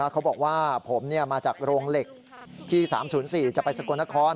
เขาบอกว่าผมมาจากโรงเหล็กที่๓๐๔จะไปสกลนคร